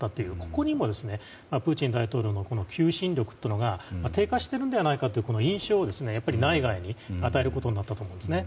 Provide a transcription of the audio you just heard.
ここにも、プーチン大統領の求心力というのが低下しているのではないかという印象を内外に与えることになったと思うんですね。